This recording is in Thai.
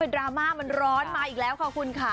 ดราม่ามันร้อนมาอีกแล้วค่ะคุณค่ะ